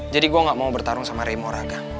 jadi gue gak mau bertarung sama raymo raga